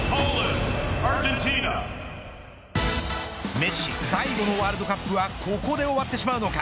メッシ最後のワールドカップはここで終わってしまうのか。